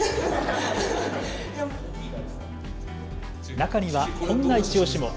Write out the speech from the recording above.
中にはこんないちオシも。